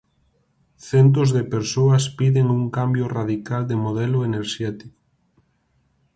Centos de persoas piden un cambio radical de modelo enerxético.